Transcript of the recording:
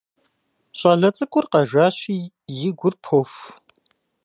ЩӀалэ цӀыкӀур къэжащи, и гур поху.